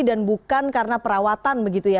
dan bukan karena perawatan begitu ya